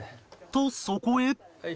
とそこへ